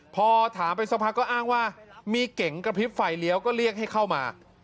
พอถามไปสักพักก็อ้างว่ามีเก๋งกระพริบไฟเลี้ยวก็เรียกให้เข้ามา